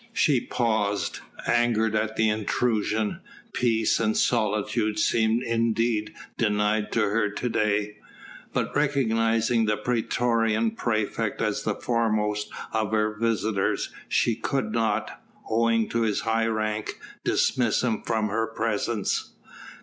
She paused, angered at the intrusion; peace and solitude seemed indeed denied to her to day; but recognising the praetorian praefect as the foremost of her visitors, she could not owing to his high rank dismiss him from her presence.